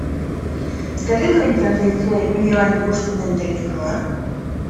Zer iruditzen zaizue bideoan ikusten den telefonoa?